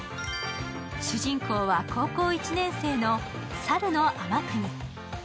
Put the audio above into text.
主人公は高校１年生の猿野天国。